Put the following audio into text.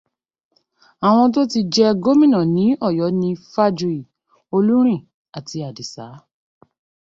Awọn tó ti jẹ gómìnà ní Ọ̀yọ́ ni Fájuyì, Olúrìn, àti Àdìsá.